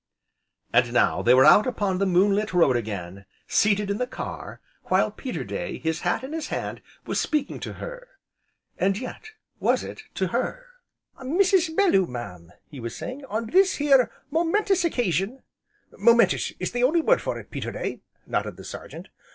And now, they were out upon the moon lit road again, seated in the car, while Peterday, his hat in his hand, was speaking to her. And yet, was it to her? "Mrs. Belloo, mam," he was saying, "on this here monumentous occasion " "Monumentous is the only word for it, Peterday!" nodded the Sergeant.